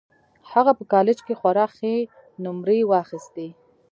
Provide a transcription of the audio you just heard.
هغه په کالج کې خورا ښې نومرې واخيستې